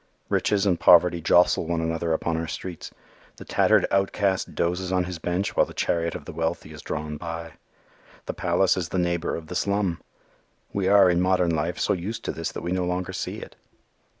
Riches and poverty jostle one another upon our streets. The tattered outcast dozes on his bench while the chariot of the wealthy is drawn by. The palace is the neighbor of the slum. We are, in modern life, so used to this that we no longer see it.